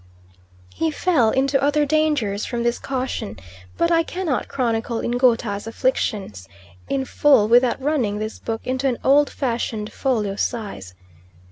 He fell into other dangers from this caution, but I cannot chronicle Ngouta's afflictions in full without running this book into an old fashioned folio size.